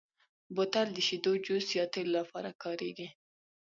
بوتل د شیدو، جوس، یا تېلو لپاره کارېږي.